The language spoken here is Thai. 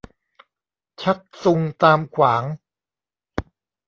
ชักซุงตามขวาง